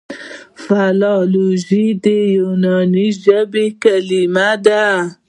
فلالوژي د یوناني ژبي کليمه ده.